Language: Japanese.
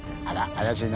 怪しいな。